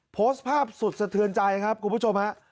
โพสต์ภาพสุดสะเทือนใจครับคุณผู้ชมฮะ